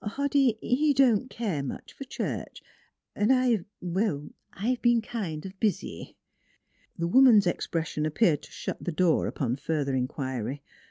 " Hoddy, he don't care much for church, and I well, I've been kind of busy." The woman's expression appeared to shut the door upon further inquiry.